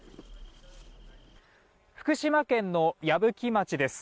福島県の矢吹町です。